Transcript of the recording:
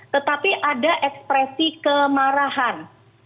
tetapi ada ekspresi kemarahan